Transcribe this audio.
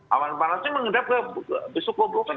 awan panasnya menghadap ke besok kobokan